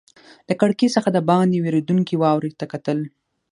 له کړکۍ څخه دباندې ورېدونکې واورې ته کتل.